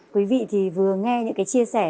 quý vị thì vừa nghe những cái chia sẻ